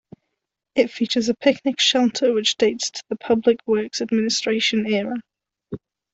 It features a picnic shelter which dates to the Public Works Administration era.